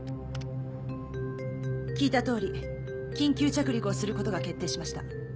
聞いたとおり緊急着陸をすることが決定しました。